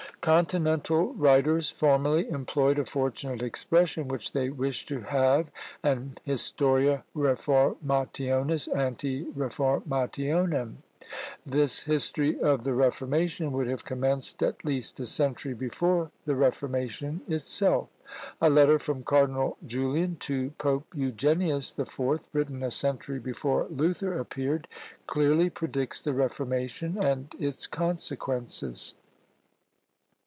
Continental writers formerly employed a fortunate expression, when they wished to have an Historia Reformationis ante Reformationem: this history of the Reformation would have commenced at least a century before the Reformation itself! A letter from Cardinal Julian to Pope Eugenius the Fourth, written a century before Luther appeared, clearly predicts the Reformation and its consequences.